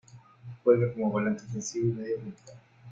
Juega como volante ofensivo y mediapunta.